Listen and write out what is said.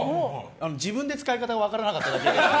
自分で使い方が分からなかっただけで。